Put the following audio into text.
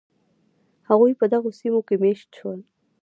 هغوی په دغو سیمو کې مېشت شول.